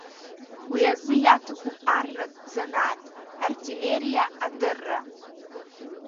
Уи азы иаҭахуп арратә занааҭ артиллериа адырра.